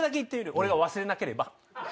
俺が忘れなければ。